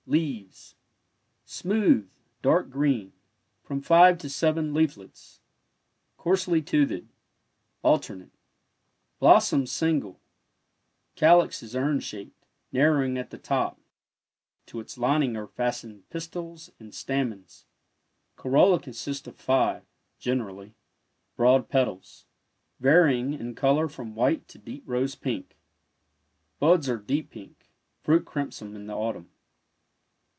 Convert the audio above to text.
Leaves — smooth, dark green, from five to seven leaflets, coarsely toothed— alternate. Blossoms single— calyx is urn shaped, nar rowing at the top — to its lining are fastened pistils and stamens — corolla consists of five (generally) broad petals, varying in colour from white to deep rose pink— buds are deep pink — fruit crimson in the autumn.